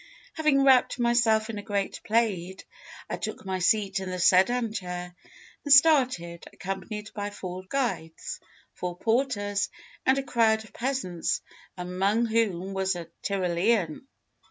Having wrapped myself in a great plaid, I took my seat in the sedan chair and started, accompanied by four guides, four porters, and a crowd of peasants, among whom was a Tyrolean.